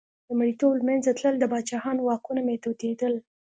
د مریتوب له منځه تلل د پاچاهانو واکونو محدودېدل.